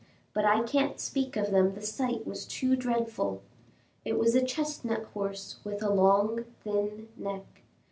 but I can't speak of them, the sight was too dreadful! It was a chestnut horse with a long, thin neck.